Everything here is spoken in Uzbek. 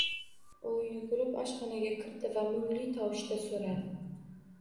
U yugurib oshxonaga kirdi va mungli tovushda soʻradi